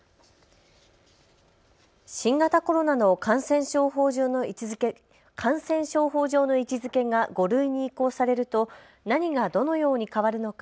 新型コロナの感染症法上の位置づけが５類に移行されると何がどのように変わるのか。